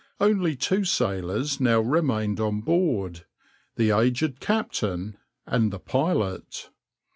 Only two sailors now remained on board, the aged captain and the pilot.